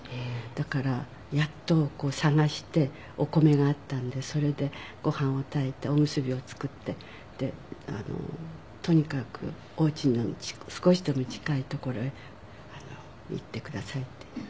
だからやっと探してお米があったんでそれでご飯を炊いておむすびを作って「とにかくお家に少しでも近い所へ行ってください」って言って。